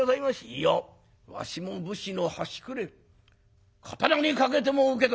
「いやわしも武士の端くれ刀にかけても受け取らん」。